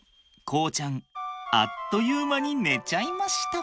航ちゃんあっという間に寝ちゃいました。